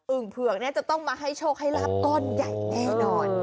อึ่งเผือกจะต้องมาให้โชคให้รับต้นใหญ่แน่นอน